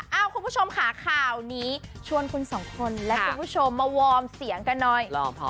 คุณผู้ชมค่ะข่าวนี้ชวนคุณสองคนและคุณผู้ชมมาวอร์มเสียงกันหน่อย